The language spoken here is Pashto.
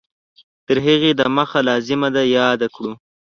تر هغې د مخه لازمه ده یاده کړو